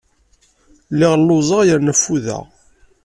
Lliɣ lluẓeɣ yerna ffudeɣ.